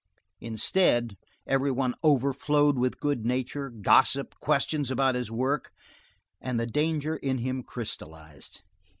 Instead, everyone overflowed with good nature, gossip, questions about his work, and the danger in him crystallized.